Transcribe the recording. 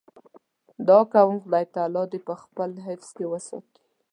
دعا کوم خدای تعالی دې په خپل حفظ کې وساتي.